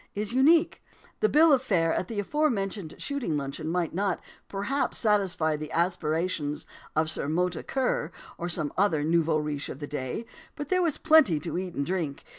is unique. The bill of fare at the aforementioned shooting luncheon might not, perhaps, satisfy the aspirations of Sir Mota Kerr, or some other nouveau riche of to day, but there was plenty to eat and drink.